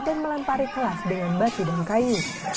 dan melempari kelas dengan batu dan kayu